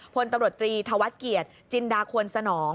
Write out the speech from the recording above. พลตำรวจตรีธวัฒน์เกียรติจินดาควรสนอง